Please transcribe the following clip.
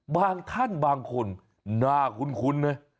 บางท่านบางคนหน้าคุ้นเลย